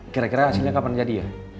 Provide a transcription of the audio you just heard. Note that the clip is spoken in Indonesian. kira kira hasilnya kapan jadi ya